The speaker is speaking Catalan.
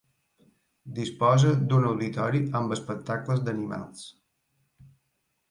Disposa d'un auditori amb espectacles d'animals.